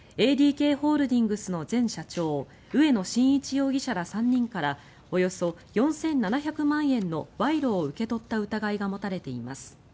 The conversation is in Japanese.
ＡＤＫホールディングスの前社長植野伸一容疑者ら３人からおよそ４７００万円の賄賂を受け取った疑いが持たれています。